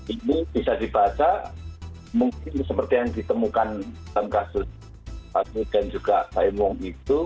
ini bisa dibaca mungkin seperti yang ditemukan dalam kasus pak nur dan juga saimong itu